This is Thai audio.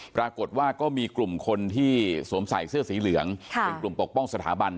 ปรากฏว่าก็มีกลุ่มคนที่สวมใส่เสื้อสีเหลืองเป็นกลุ่มปกป้องสถาบัน